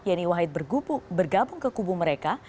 yeni wahid bergabung ke kubu mereka